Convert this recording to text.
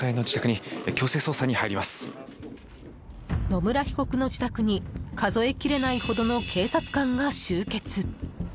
野村被告の自宅に数えきれないほどの警察官が集結。